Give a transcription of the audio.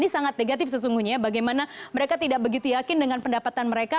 ini sangat negatif sesungguhnya ya bagaimana mereka tidak begitu yakin dengan pendapatan mereka